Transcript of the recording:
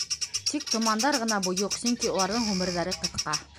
Тик томандар ғына бойоҡ, сөнки уларҙың ғүмерҙәре ҡыҫҡа.